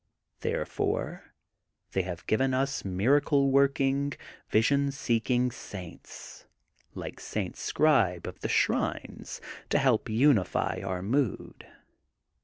There fore, they have given us miracle working, vision seeing saints, like Saint Scribe of the Shrines, to help unify our mood.